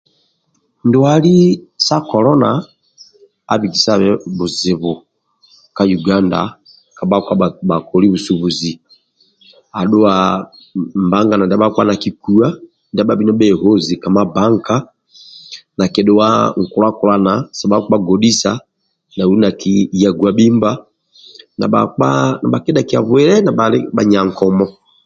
Ndwali sa kolona abikisa bizibu ka uganda kabha koli busobozi adhua mbagane ndia bhakpa nakikuwa ndia bhabhi nibhehozi ka mabanka nakidua nkulakulana subha bhakpa godisa nau nakiya gwabhimbha na bhakpa nibha kidhakia bwile nibhali bha nyakomo